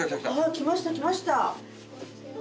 きましたきました！